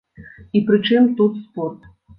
І прычым тут спорт?